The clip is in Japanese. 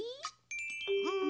うん。